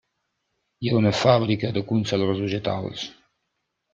Hi ha una fàbrica de conserves vegetals.